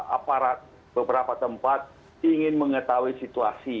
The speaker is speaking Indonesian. aparat beberapa tempat ingin mengetahui situasi